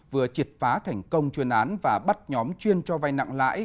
vừa triệt phá thành công chuyên án và bắt nhóm chuyên cho vay nặng lãi